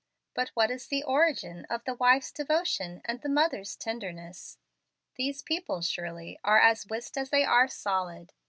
But what is the origin of the wife's devotion and the mother's tenderness? These people, surely, are as wist as they are solid.